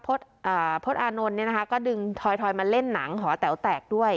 โพสต์อ่าโพสต์อานนท์เนี่ยนะคะก็ดึงทอยทอยมาเล่นหนังหอแต๋วแตกด้วย